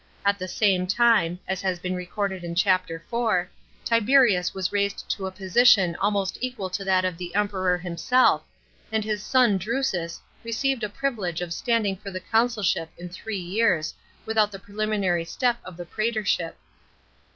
At the same time (as has been recorded in Chapter IV.), Tiberius was raised to a position almost equal to that of the Emperor himself, and his son Drusus received the piivile^e of standing for the consulship in three years, without the preliminary step of the prsetorship.